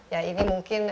ya ini mungkin